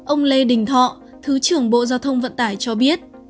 ông lê đình thọ thứ trưởng bộ giao thông vận tải cho biết